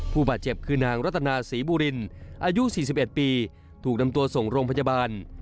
ผู้บาดเจ็บคือนางรัตนาศรีบุรินอายุ๔๑ปีถูกนำตัวส่งโรงพยาบาล